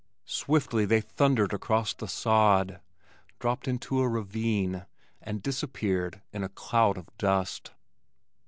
Swiftly they thundered across the sod, dropped into a ravine, and disappeared in a cloud of dust.